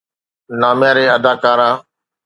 نامياري اداڪارا